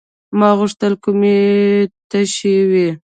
ما غوښتل کولمې مې تشي وي.